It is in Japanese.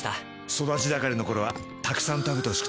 育ち盛りの頃はたくさん食べてほしくて。